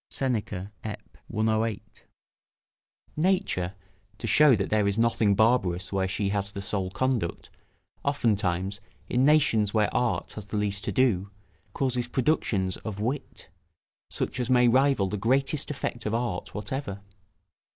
Seneca, Ep., 108.] Nature, to shew that there is nothing barbarous where she has the sole conduct, oftentimes, in nations where art has the least to do, causes productions of wit, such as may rival the greatest effect of art whatever.